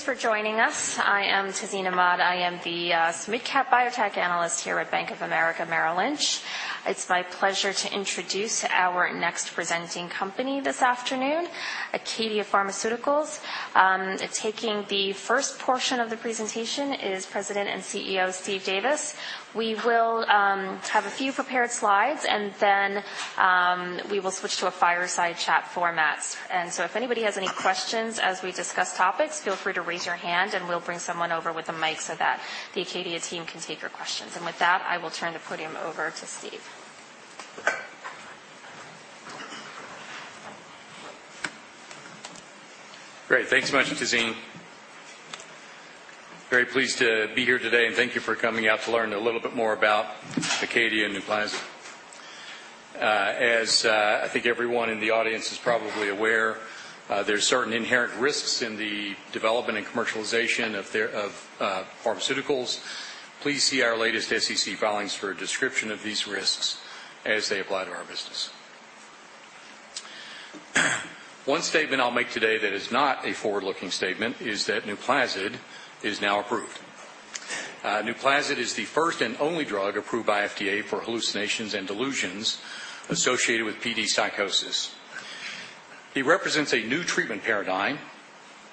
Everybody, thanks for joining us. I am Tazeen Ahmad. I am the mid-cap biotech analyst here at Bank of America Merrill Lynch. It's my pleasure to introduce our next presenting company this afternoon, ACADIA Pharmaceuticals. Taking the first portion of the presentation is President and CEO, Steve Davis. We will have a few prepared slides and then we will switch to a fireside chat format. If anybody has any questions as we discuss topics, feel free to raise your hand and we'll bring someone over with a mic so that the ACADIA team can take your questions. With that, I will turn the podium over to Steve. Great. Thanks so much, Tazeen. Very pleased to be here today, and thank you for coming out to learn a little bit more about ACADIA NUPLAZID. As I think everyone in the audience is probably aware, there's certain inherent risks in the development and commercialization of pharmaceuticals. Please see our latest SEC filings for a description of these risks as they apply to our business. One statement I'll make today that is not a forward-looking statement is that NUPLAZID is now approved. NUPLAZID is the first and only drug approved by FDA for hallucinations and delusions associated with PD psychosis. It represents a new treatment paradigm.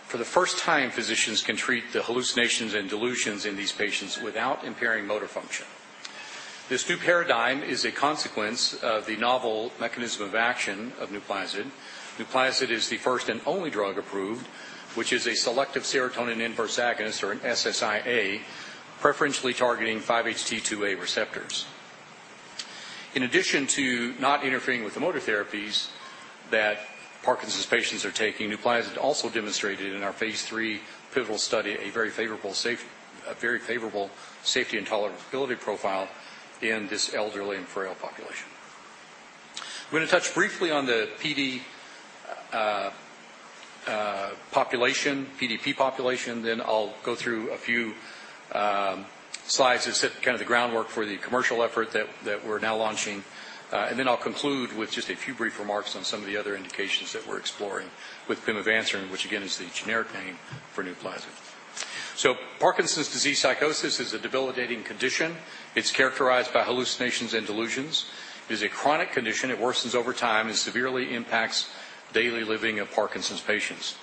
For the first time, physicians can treat the hallucinations and delusions in these patients without impairing motor function. This new paradigm is a consequence of the novel mechanism of action of NUPLAZID. NUPLAZID is the first and only drug approved, which is a selective serotonin inverse agonist, or an SSIA, preferentially targeting 5-HT2A receptors. In addition to not interfering with the motor therapies that Parkinson's patients are taking, NUPLAZID also demonstrated in our phase III pivotal study, a very favorable safety and tolerability profile in this elderly and frail population. I'm going to touch briefly on the PD population, PDP population, then I'll go through a few slides to set kind of the groundwork for the commercial effort that we're now launching. Then I'll conclude with just a few brief remarks on some of the other indications that we're exploring with pimavanserin, which again, is the generic name for NUPLAZID. Parkinson's disease psychosis is a debilitating condition. It's characterized by hallucinations and delusions. It is a chronic condition. It worsens over time and severely impacts daily living of Parkinson's patients.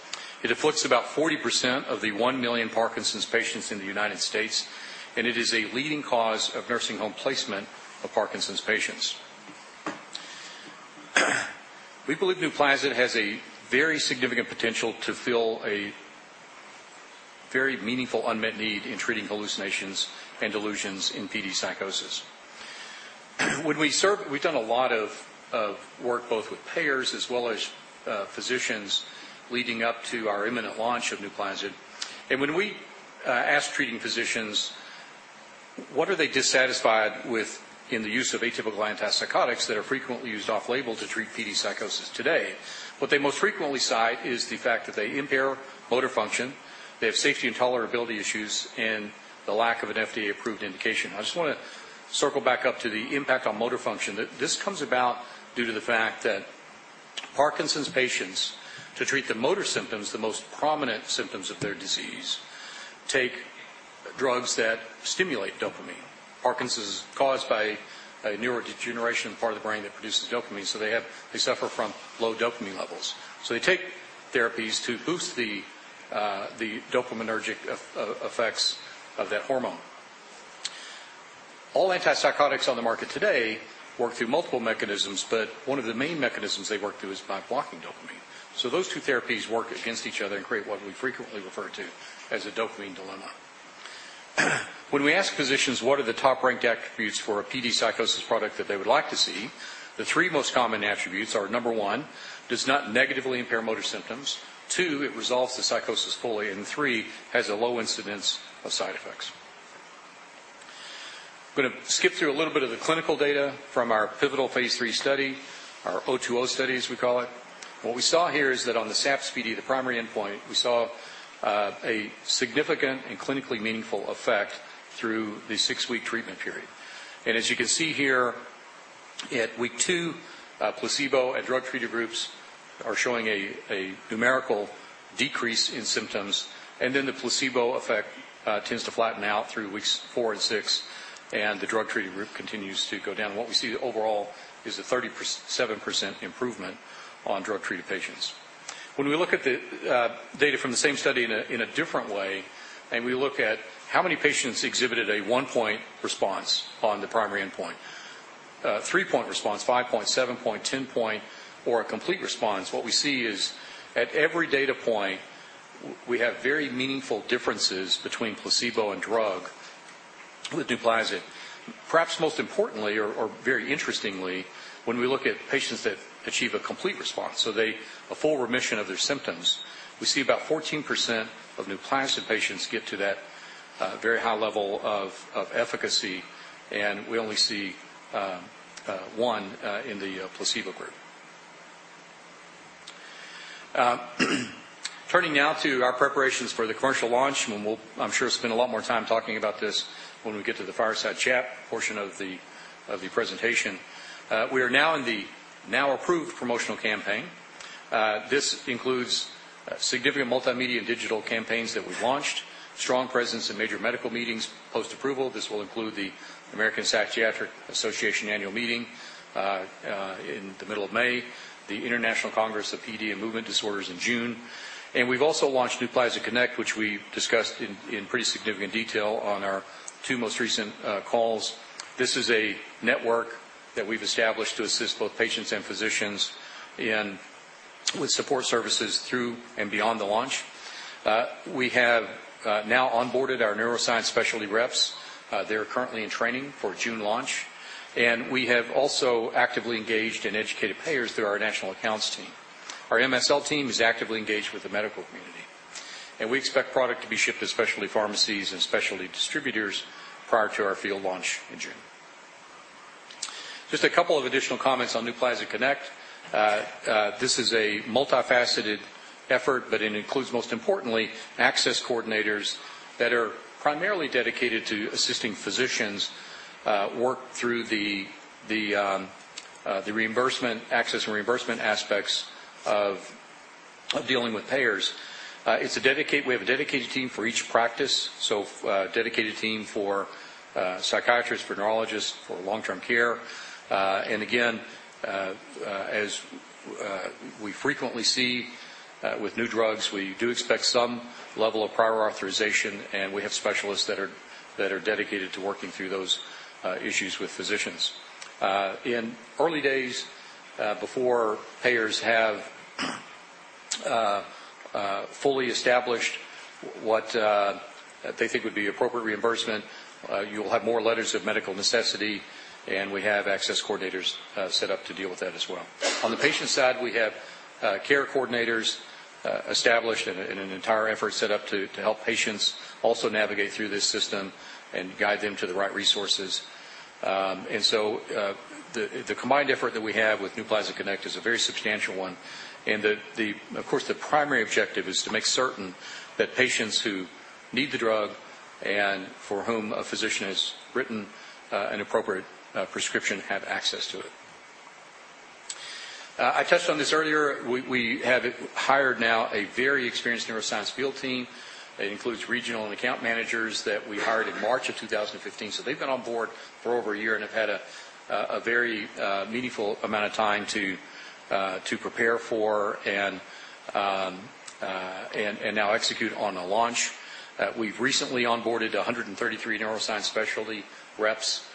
It afflicts about 40% of the 1 million Parkinson's patients in the United States, it is a leading cause of nursing home placement of Parkinson's patients. We believe NUPLAZID has a very significant potential to fill a very meaningful unmet need in treating hallucinations and delusions in PD psychosis. We've done a lot of work, both with payers as well as physicians leading up to our imminent launch of NUPLAZID. When we ask treating physicians what are they dissatisfied with in the use of atypical antipsychotics that are frequently used off label to treat PD psychosis today? What they most frequently cite is the fact that they impair motor function, they have safety and tolerability issues, and the lack of an FDA-approved indication. I just want to circle back up to the impact on motor function. This comes about due to the fact that Parkinson's patients, to treat the motor symptoms, the most prominent symptoms of their disease, take drugs that stimulate dopamine. Parkinson's is caused by a neurodegeneration part of the brain that produces dopamine. So they suffer from low dopamine levels. They take therapies to boost the dopaminergic effects of that hormone. All antipsychotics on the market today work through multiple mechanisms, but one of the main mechanisms they work through is by blocking dopamine. So those two therapies work against each other and create what we frequently refer to as a dopamine dilemma. When we ask physicians what are the top-ranked attributes for a PD psychosis product that they would like to see? The three most common attributes are, number one, does not negatively impair motor symptoms. two, it resolves the psychosis fully, and three, has a low incidence of side effects. I'm going to skip through a little bit of the clinical data from our pivotal phase III study, our -020 Study, as we call it. What we saw here is that on the SAPS-PD, the primary endpoint, we saw a significant and clinically meaningful effect through the 6-week treatment period. As you can see here at week 2, placebo and drug-treated groups are showing a numerical decrease in symptoms, and then the placebo effect tends to flatten out through weeks 4 and 6, and the drug-treated group continues to go down. What we see overall is a 37% improvement on drug-treated patients. When we look at the data from the same study in a different way, and we look at how many patients exhibited a 1-point response on the primary endpoint, a 3-point response, 5-point, 7-point, 10-point, or a complete response, what we see is at every data point, we have very meaningful differences between placebo and drug with NUPLAZID. Perhaps most importantly or very interestingly, when we look at patients that achieve a complete response, so a full remission of their symptoms. We see about 14% of NUPLAZID patients get to that very high level of efficacy, and we only see one in the placebo group. Turning now to our preparations for the commercial launch, and I'm sure we'll spend a lot more time talking about this when we get to the fireside chat portion of the presentation. We are now in the now approved promotional campaign. This includes significant multimedia digital campaigns that we've launched, strong presence in major medical meetings, post-approval. This will include the American Psychiatric Association annual meeting in the middle of May, the International Congress of PD and Movement Disorders in June. We've also launched NUPLAZIDconnect, which we discussed in pretty significant detail on our two most recent calls. This is a network that we've established to assist both patients and physicians with support services through and beyond the launch. We have now onboarded our neuroscience specialty reps. They're currently in training for June launch, and we have also actively engaged and educated payers through our national accounts team. Our MSL team is actively engaged with the medical community, and we expect product to be shipped to specialty pharmacies and specialty distributors prior to our field launch in June. Just a couple of additional comments on NUPLAZIDconnect. This is a multifaceted effort, but it includes, most importantly, access coordinators that are primarily dedicated to assisting physicians work through the access and reimbursement aspects of dealing with payers. We have a dedicated team for each practice, so a dedicated team for psychiatrists, for neurologists, for long-term care. Again, as we frequently see with new drugs, we do expect some level of prior authorization, and we have specialists that are dedicated to working through those issues with physicians. In early days, before payers have fully established what they think would be appropriate reimbursement, you'll have more letters of medical necessity, and we have access coordinators set up to deal with that as well. On the patient side, we have care coordinators established and an entire effort set up to help patients also navigate through this system and guide them to the right resources. The combined effort that we have with NUPLAZIDconnect is a very substantial one, of course, the primary objective is to make certain that patients who need the drug and for whom a physician has written an appropriate prescription have access to it. I touched on this earlier. We have hired now a very experienced neuroscience field team. It includes regional and account managers that we hired in March of 2015. They've been on board for over a year and have had a very meaningful amount of time to prepare for and now execute on a launch. We've recently onboarded 133 neuroscience specialty reps.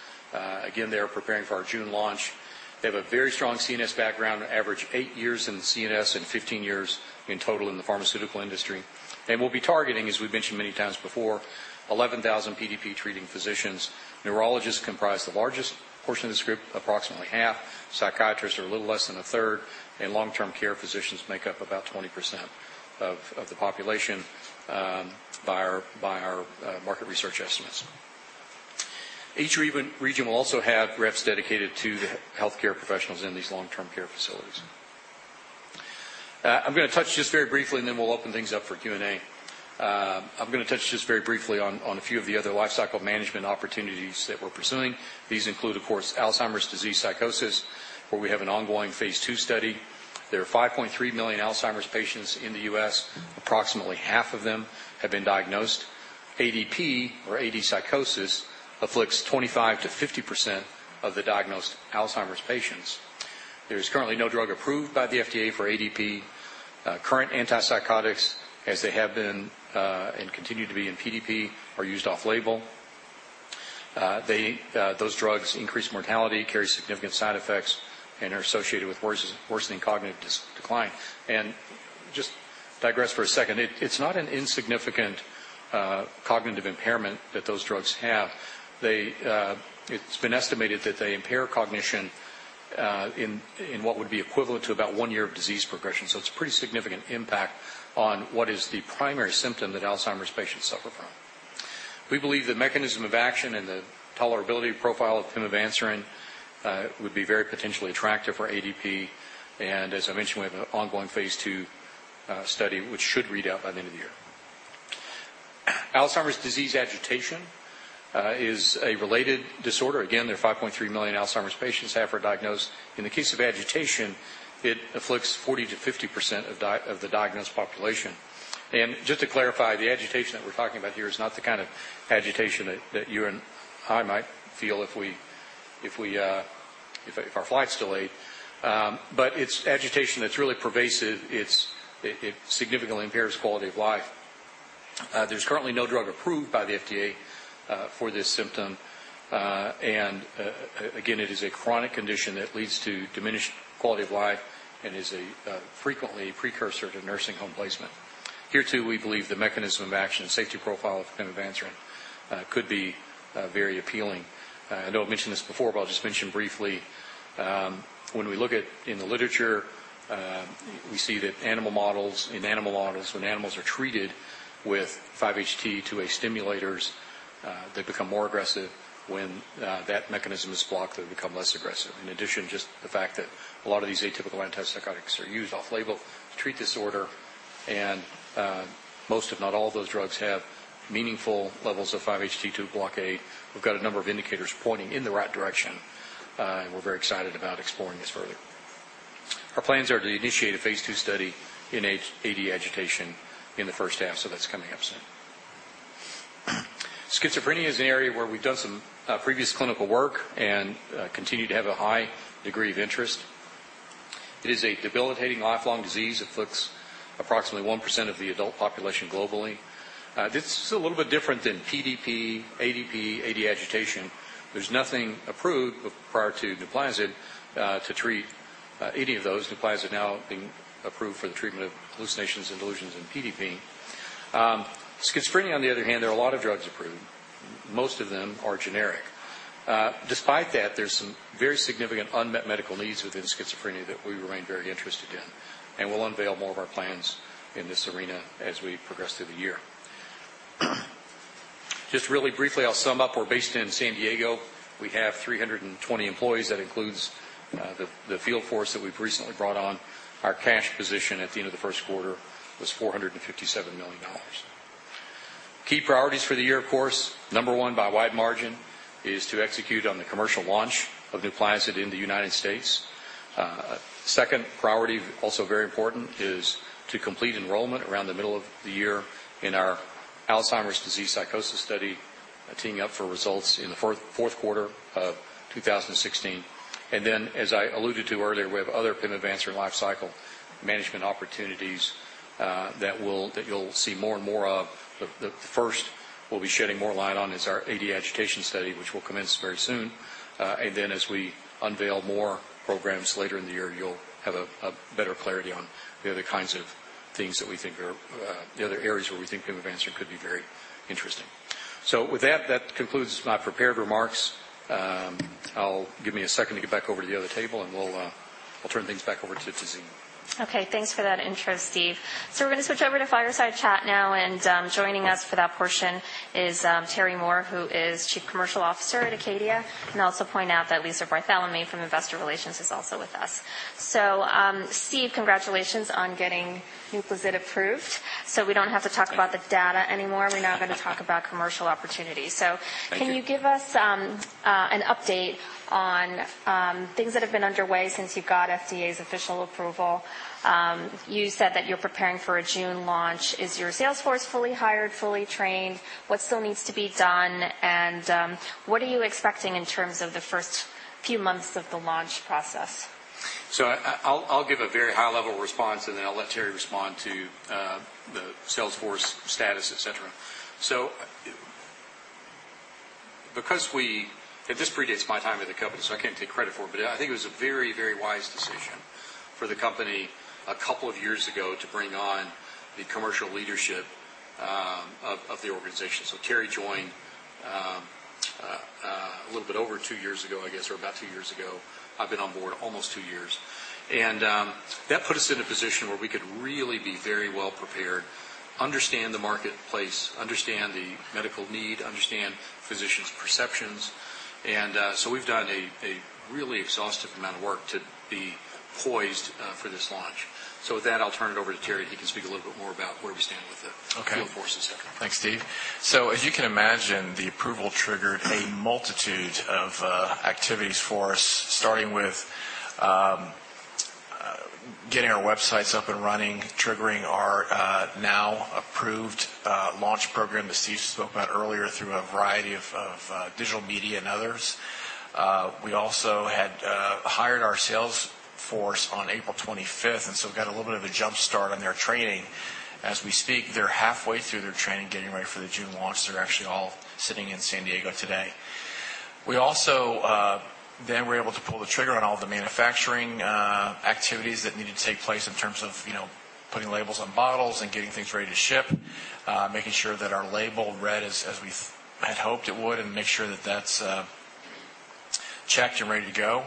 Again, they are preparing for our June launch. They have a very strong CNS background, average eight years in the CNS and 15 years in total in the pharmaceutical industry. We'll be targeting, as we've mentioned many times before, 11,000 PDP-treating physicians. Neurologists comprise the largest portion of this group, approximately half. Psychiatrists are a little less than a third, and long-term care physicians make up about 20% of the population by our market research estimates. Each region will also have reps dedicated to the healthcare professionals in these long-term care facilities. I'm going to touch just very briefly, then we'll open things up for Q&A. I'm going to touch just very briefly on a few of the other lifecycle management opportunities that we're pursuing. These include, of course, Alzheimer's disease psychosis, where we have an ongoing phase II study. There are 5.3 million Alzheimer's patients in the U.S. Approximately half of them have been diagnosed. ADP or AD psychosis afflicts 25%-50% of the diagnosed Alzheimer's patients. There is currently no drug approved by the FDA for ADP. Current antipsychotics, as they have been and continue to be in PDP, are used off-label. Those drugs increase mortality, carry significant side effects, are associated with worsening cognitive decline. Just digress for a second. It's not an insignificant cognitive impairment that those drugs have. It's been estimated that they impair cognition in what would be equivalent to about one year of disease progression. It's a pretty significant impact on what is the primary symptom that Alzheimer's patients suffer from. We believe the mechanism of action and the tolerability profile of pimavanserin would be very potentially attractive for ADP. As I mentioned, we have an ongoing phase II study, which should read out by the end of the year. Alzheimer's disease agitation is a related disorder. Again, there are 5.3 million Alzheimer's patients, half are diagnosed. In the case of agitation, it afflicts 40%-50% of the diagnosed population. Just to clarify, the agitation that we're talking about here is not the kind of agitation that you and I might feel if our flight's delayed. It's agitation that's really pervasive. It significantly impairs quality of life. There's currently no drug approved by the FDA for this symptom. Again, it is a chronic condition that leads to diminished quality of life and is a frequently precursor to nursing home placement. Here, too, we believe the mechanism of action and safety profile of pimavanserin could be very appealing. I know I've mentioned this before. I'll just mention briefly. When we look in the literature, we see that in animal models, when animals are treated with 5-HT2A stimulators, they become more aggressive. When that mechanism is blocked, they become less aggressive. In addition, just the fact that a lot of these atypical antipsychotics are used off-label to treat disorder. Most, if not all of those drugs have meaningful levels of 5-HT2 blockade. We've got a number of indicators pointing in the right direction, and we're very excited about exploring this further. Our plans are to initiate a phase II study in AD agitation in the first half, so that's coming up soon. Schizophrenia is an area where we've done some previous clinical work and continue to have a high degree of interest. It is a debilitating lifelong disease. It afflicts approximately 1% of the adult population globally. This is a little bit different than PDP, ADP, AD agitation. There's nothing approved prior to NUPLAZID to treat any of those. NUPLAZID now being approved for the treatment of hallucinations and delusions in PDP. Schizophrenia, on the other hand, there are a lot of drugs approved. Most of them are generic. Despite that, there's some very significant unmet medical needs within schizophrenia that we remain very interested in. We'll unveil more of our plans in this arena as we progress through the year. Just really briefly, I'll sum up. We're based in San Diego. We have 320 employees. That includes the field force that we've recently brought on. Our cash position at the end of the first quarter was $457 million. Key priorities for the year, of course, number 1 by a wide margin, is to execute on the commercial launch of NUPLAZID in the United States. Second priority, also very important, is to complete enrollment around the middle of the year in our Alzheimer's disease psychosis study, teeing up for results in the fourth quarter of 2016. As I alluded to earlier, we have other pimavanserin lifecycle management opportunities that you'll see more and more of. The first we'll be shedding more light on is our AD agitation study, which will commence very soon. As we unveil more programs later in the year, you'll have a better clarity on the other areas where we think pimavanserin could be very interesting. With that concludes my prepared remarks. Give me a second to get back over to the other table, and I'll turn things back over to Tazeen. Thanks for that intro, Steve. We're going to switch over to fireside chat now, Joining us for that portion is Terrence Moore, who is Chief Commercial Officer at ACADIA Pharmaceuticals. Also point out that Lisa Bartholome from Investor Relations is also with us. Steve, congratulations on getting NUPLAZID approved. We don't have to talk about the data anymore. We're now going to talk about commercial opportunities. Thank you. Can you give us an update on things that have been underway since you got FDA's official approval? You said that you're preparing for a June launch. Is your sales force fully hired, fully trained? What still needs to be done, and what are you expecting in terms of the first few months of the launch process? I'll give a very high-level response, then I'll let Terry respond to the sales force status, et cetera. Because we-- This predates my time with the company, I can't take credit for it, but I think it was a very wise decision for the company a couple of years ago to bring on the commercial leadership of the organization. Terry joined a little bit over two years ago, I guess, or about two years ago. I've been on board almost two years. That put us in a position where we could really be very well prepared, understand the marketplace, understand the medical need, understand physicians' perceptions. We've done a really exhaustive amount of work to be poised for this launch. With that, I'll turn it over to Terry, who can speak a little bit more about where we stand with the. Okay Field force, et cetera. Thanks, Steve. As you can imagine, the approval triggered a multitude of activities for us, starting with getting our websites up and running, triggering our now approved launch program that Steve spoke about earlier through a variety of digital media and others. We also had hired our sales force on April 25th, we've got a little bit of a jumpstart on their training. As we speak, they're halfway through their training, getting ready for the June launch. They're actually all sitting in San Diego today. We also were able to pull the trigger on all the manufacturing activities that needed to take place in terms of putting labels on bottles and getting things ready to ship, making sure that our label read as we had hoped it would, and make sure that's checked and ready to go.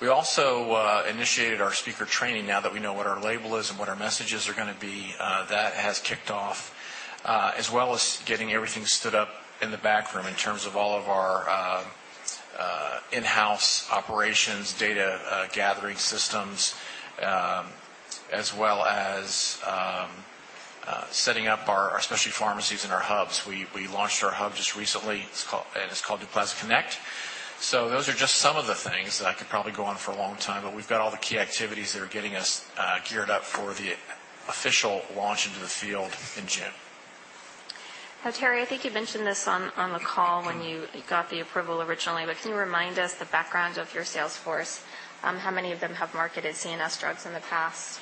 We also initiated our speaker training now that we know what our label is and what our messages are going to be. That has kicked off, as well as getting everything stood up in the backroom in terms of all of our in-house operations, data gathering systems, as well as setting up our specialty pharmacies and our hubs. We launched our hub just recently, and it's called NUPLAZIDconnect. Those are just some of the things that I could probably go on for a long time, but we've got all the key activities that are getting us geared up for the official launch into the field in June. Terry, I think you mentioned this on the call when you got the approval originally, but can you remind us the background of your sales force? How many of them have marketed CNS drugs in the past?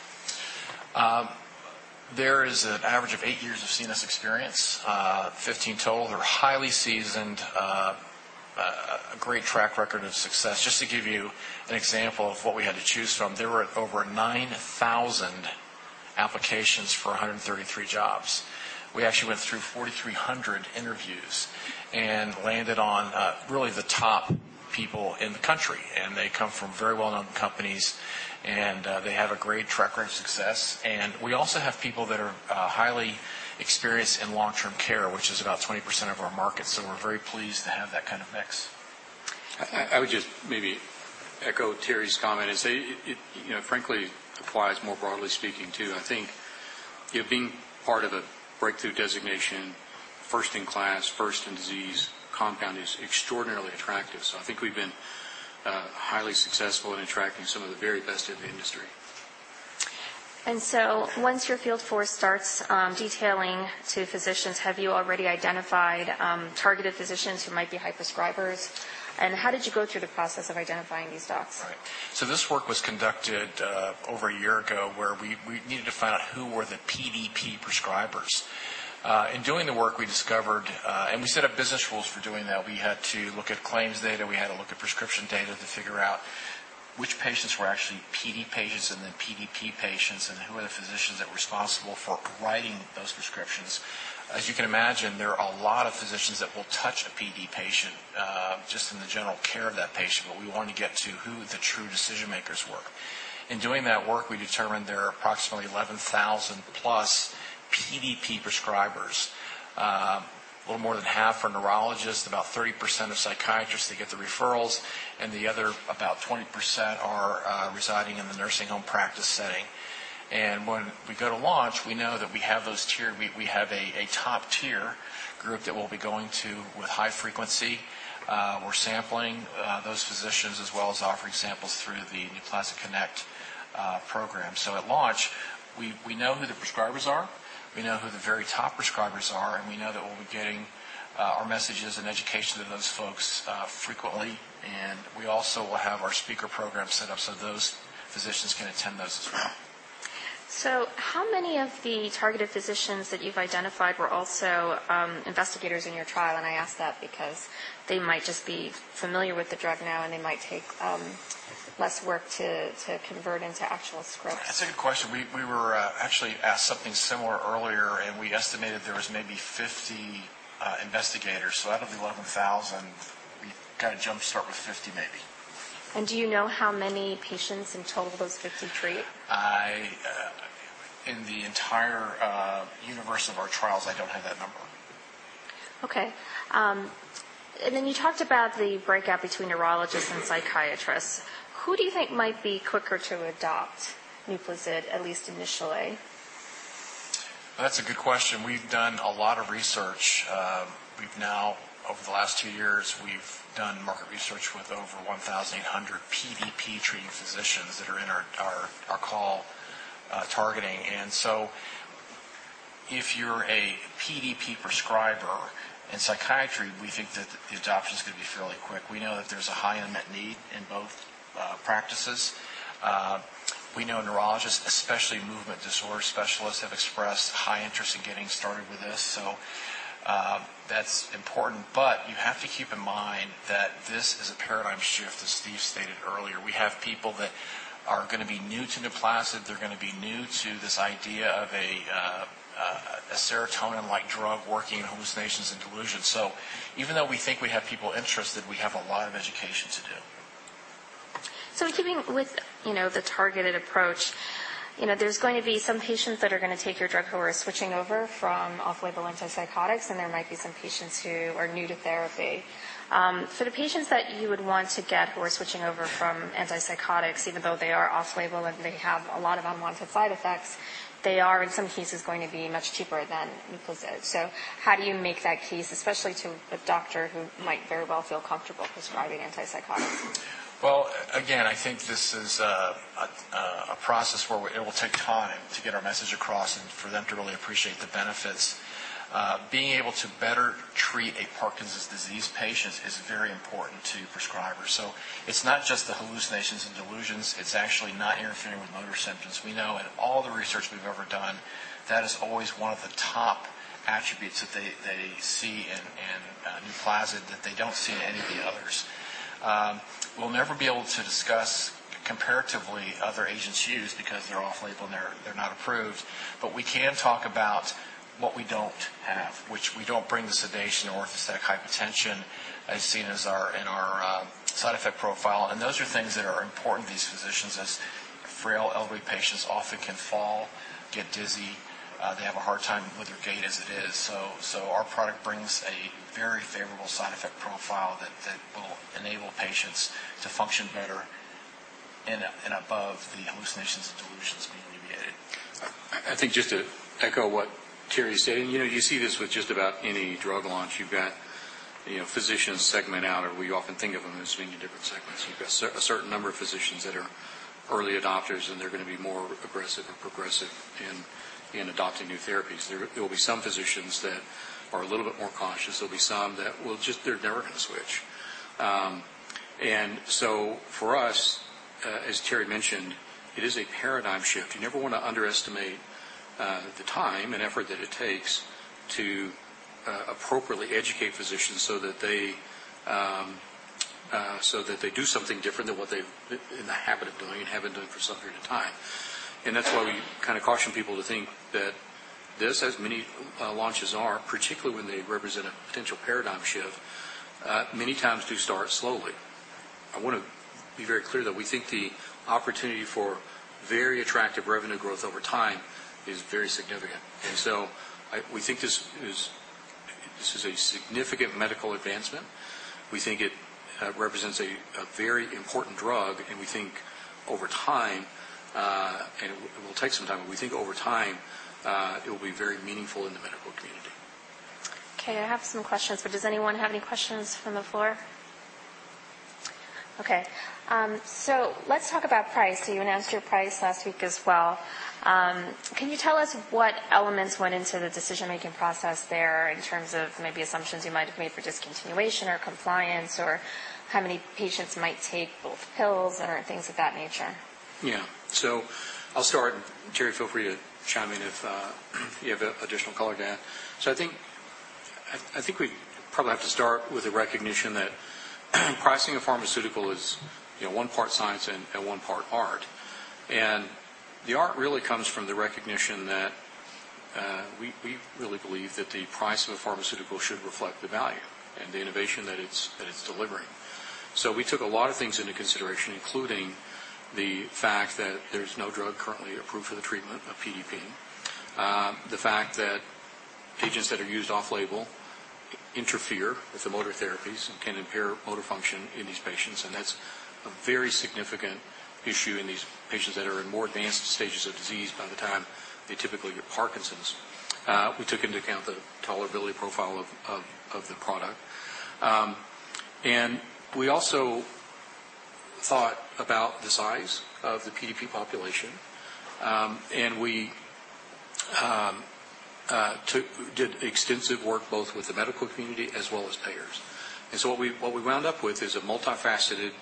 There is an average of eight years of CNS experience, 15 total. They're highly seasoned, a great track record of success. Just to give you an example of what we had to choose from, there were over 9,000 applications for 133 jobs. We actually went through 4,300 interviews and landed on really the top people in the country, and they come from very well-known companies, and they have a great track record of success. We also have people that are highly experienced in long-term care, which is about 20% of our market. We're very pleased to have that kind of mix. I would just maybe echo Terry's comment and say it frankly applies more broadly speaking, too. I think being part of a breakthrough designation, first in class, first in disease compound is extraordinarily attractive. I think we've been highly successful in attracting some of the very best in the industry. Once your field force starts detailing to physicians, have you already identified targeted physicians who might be high prescribers? How did you go through the process of identifying these docs? Right. This work was conducted over a year ago, where we needed to find out who were the PDP prescribers. In doing the work, we discovered, and we set up business rules for doing that. We had to look at claims data. We had to look at prescription data to figure out which patients were actually PD patients and then PDP patients, and who were the physicians that were responsible for writing those prescriptions. As you can imagine, there are a lot of physicians that will touch a PD patient, just in the general care of that patient. We wanted to get to who the true decision-makers were. In doing that work, we determined there are approximately 11,000-plus PDP prescribers. A little more than half are neurologists, about 30% are psychiatrists that get the referrals, and the other, about 20%, are residing in the nursing home practice setting. When we go to launch, we know that we have those tiered. We have a top tier group that we'll be going to with high frequency. We're sampling those physicians, as well as offering samples through the NUPLAZIDconnect program. At launch, we know who the prescribers are. We know who the very top prescribers are, and we know that we'll be getting our messages and education to those folks frequently. We also will have our speaker program set up so those physicians can attend those as well. How many of the targeted physicians that you've identified were also investigators in your trial? I ask that because they might just be familiar with the drug now, and they might take less work to convert into actual scripts. That's a good question. We were actually asked something similar earlier, we estimated there was maybe 50 investigators. Out of the 11,000, we got a jumpstart with 50, maybe. Do you know how many patients in total those 50 treat? In the entire universe of our trials, I don't have that number. Okay. You talked about the breakout between neurologists and psychiatrists. Who do you think might be quicker to adopt NUPLAZID, at least initially? That's a good question. We've done a lot of research. Over the last 2 years, we've done market research with over 1,800 PDP-treating physicians that are in our call targeting. If you're a PDP prescriber in psychiatry, we think that the adoption's going to be fairly quick. We know that there's a high unmet need in both practices. We know neurologists, especially movement disorder specialists, have expressed high interest in getting started with this, so that's important. You have to keep in mind that this is a paradigm shift, as Steve stated earlier. We have people that are going to be new to NUPLAZID. They're going to be new to this idea of a serotonin-like drug working in hallucinations and delusions. Even though we think we have people interested, we have a lot of education to do. Keeping with the targeted approach, there's going to be some patients that are going to take your drug who are switching over from off-label antipsychotics, and there might be some patients who are new to therapy. For the patients that you would want to get who are switching over from antipsychotics, even though they are off label and they have a lot of unwanted side effects, they are, in some cases, going to be much cheaper than NUPLAZID. How do you make that case, especially to a doctor who might very well feel comfortable prescribing antipsychotics? Again, I think this is a process where it will take time to get our message across and for them to really appreciate the benefits. Being able to better treat a Parkinson's disease patient is very important to prescribers. It's not just the hallucinations and delusions, it's actually not interfering with motor symptoms. We know in all the research we've ever done, that is always one of the top attributes that they see in NUPLAZID that they don't see in any of the others. We'll never be able to discuss comparatively other agents used because they're off label and they're not approved. We can talk about what we don't have, which we don't bring the sedation or orthostatic hypotension as seen in our side effect profile. Those are things that are important to these physicians, as frail elderly patients often can fall, get dizzy. They have a hard time with their gait as it is. Our product brings a very favorable side effect profile that will enable patients to function better and above the hallucinations and delusions being alleviated. I think just to echo what Terry said. You see this with just about any drug launch. You've got physicians segment out, or we often think of them as being in different segments. You've got a certain number of physicians that are early adopters, and they're going to be more aggressive and progressive in adopting new therapies. There will be some physicians that are a little bit more cautious. There'll be some that they're never going to switch. For us, as Terry mentioned, it is a paradigm shift. You never want to underestimate the time and effort that it takes to appropriately educate physicians so that they do something different than what they've been in the habit of doing and have been doing for some period of time. That's why we kind of caution people to think that this, as many launches are, particularly when they represent a potential paradigm shift, many times do start slowly. I want to be very clear that we think the opportunity for very attractive revenue growth over time is very significant. We think this is a significant medical advancement. We think it represents a very important drug, and it will take some time, but we think over time it will be very meaningful in the medical community. Okay, I have some questions, but does anyone have any questions from the floor? Okay. Let's talk about price. You announced your price last week as well. Can you tell us what elements went into the decision-making process there in terms of maybe assumptions you might have made for discontinuation or compliance, or how many patients might take both pills and things of that nature? Yeah. I'll start. Terry, feel free to chime in if you have additional color to add. I think we probably have to start with the recognition that pricing a pharmaceutical is one part science and one part art. The art really comes from the recognition that we really believe that the price of a pharmaceutical should reflect the value and the innovation that it's delivering. We took a lot of things into consideration, including the fact that there's no drug currently approved for the treatment of PDP. The fact that agents that are used off-label interfere with the motor therapies and can impair motor function in these patients. That's a very significant issue in these patients that are in more advanced stages of disease by the time they typically get Parkinson's. We took into account the tolerability profile of the product. We also thought about the size of the PDP population. We did extensive work both with the medical community as well as payers. What we wound up with is a multifaceted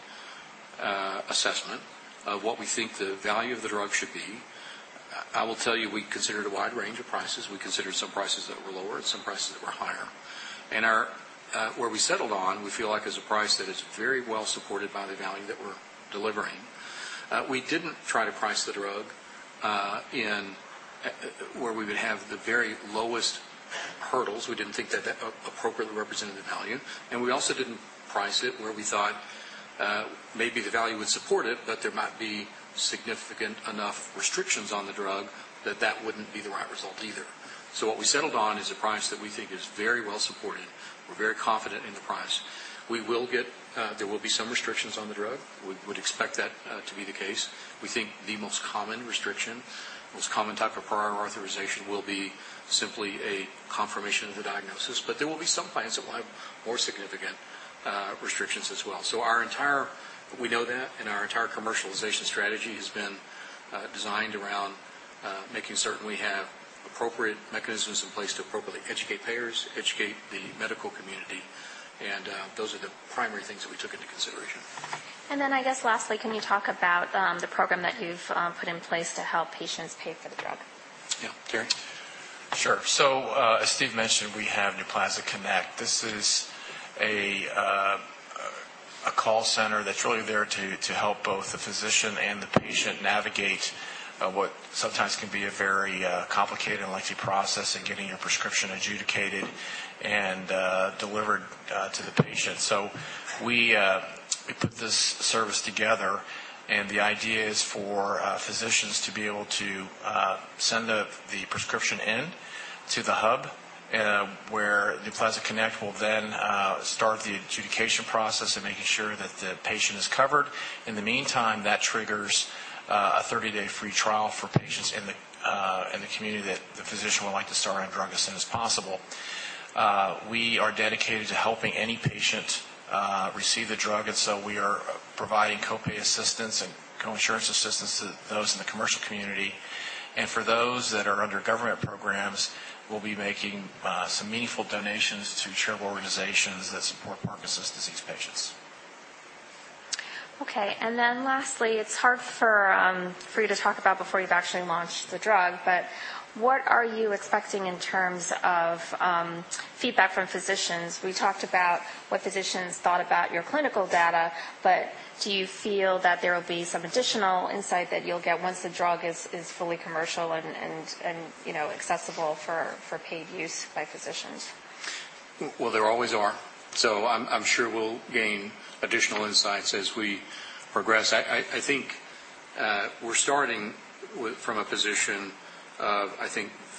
assessment of what we think the value of the drug should be. I will tell you, we considered a wide range of prices. We considered some prices that were lower and some prices that were higher. Where we settled on, we feel like, is a price that is very well supported by the value that we're delivering. We didn't try to price the drug where we would have the very lowest hurdles. We didn't think that that appropriately represented the value. We also didn't price it where we thought maybe the value would support it, but there might be significant enough restrictions on the drug that that wouldn't be the right result either. What we settled on is a price that we think is very well supported. We're very confident in the price. There will be some restrictions on the drug. We'd expect that to be the case. We think the most common restriction, the most common type of prior authorization will be simply a confirmation of the diagnosis. There will be some clients that will have more significant restrictions as well. We know that, and our entire commercialization strategy has been designed around making certain we have appropriate mechanisms in place to appropriately educate payers, educate the medical community, and those are the primary things that we took into consideration. I guess lastly, can you talk about the program that you've put in place to help patients pay for the drug? Yeah. Terry? Sure. As Steve mentioned, we have NUPLAZIDconnect. This is a call center that's really there to help both the physician and the patient navigate what sometimes can be a very complicated and lengthy process in getting a prescription adjudicated and delivered to the patient. We put this service together, and the idea is for physicians to be able to send the prescription in to the hub, where NUPLAZIDconnect will then start the adjudication process of making sure that the patient is covered. In the meantime, that triggers a 30-day free trial for patients in the community that the physician would like to start on drug as soon as possible. We are dedicated to helping any patient receive the drug, we are providing co-pay assistance and co-insurance assistance to those in the commercial community. For those that are under government programs, we'll be making some meaningful donations to charitable organizations that support Parkinson's disease patients. Okay, lastly, it's hard for you to talk about before you've actually launched the drug, but what are you expecting in terms of feedback from physicians? We talked about what physicians thought about your clinical data, but do you feel that there will be some additional insight that you'll get once the drug is fully commercial and accessible for paid use by physicians? Well, there always are. I'm sure we'll gain additional insights as we progress. I think we're starting from a position of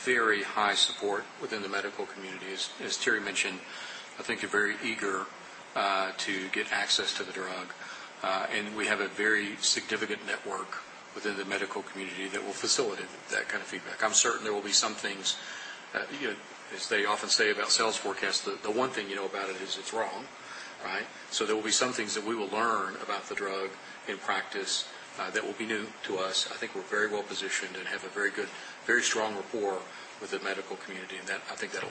very high support within the medical community. As Terry mentioned, I think they're very eager to get access to the drug. We have a very significant network within the medical community that will facilitate that kind of feedback. I'm certain there will be some things. As they often say about sales forecast, the one thing you know about it is it's wrong. Right? There will be some things that we will learn about the drug in practice that will be new to us. I think we're very well positioned and have a very good, very strong rapport with the medical community, and I think that'll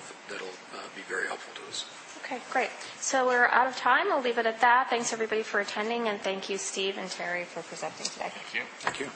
be very helpful to us. Okay. Great. We're out of time. I'll leave it at that. Thanks, everybody, for attending, and thank you, Steve and Terry, for presenting today. Thank you. Thank you.